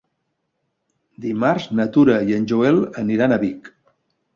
Dimarts na Tura i en Joel aniran a Vic.